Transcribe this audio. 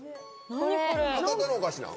博多のお菓子なん？